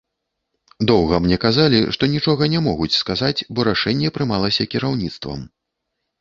Доўга мне казалі, што нічога не могуць сказаць, бо рашэнне прымалася кіраўніцтвам.